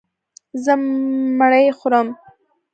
زه مړۍ خورم.